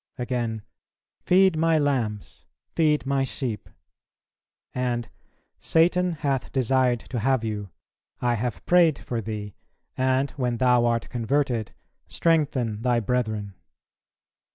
Again: "Feed My lambs, feed My sheep." And "Satan hath desired to have you; I have prayed for thee, and when thou art converted, strengthen thy brethren."